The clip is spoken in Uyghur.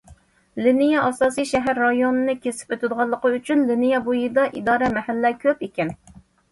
لىنىيە ئاساسىي شەھەر رايونىنى كېسىپ ئۆتىدىغانلىقى ئۈچۈن، لىنىيە بويىدا ئىدارە، مەھەللە كۆپ ئىكەن.